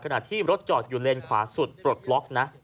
ขณะที่รถจอดอยู่เลนขวาสุดปลดล็อกนะ